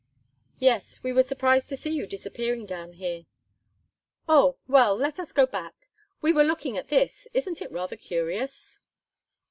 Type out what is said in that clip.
"Yes. We were surprised to see you disappearing down here." "Oh! well, let us go back. We were looking at this. Isn't it rather curious?"